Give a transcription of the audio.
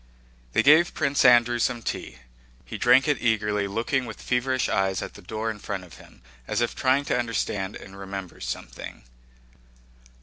They gave Prince Andrew some tea. He drank it eagerly, looking with feverish eyes at the door in front of him as if trying to understand and remember something.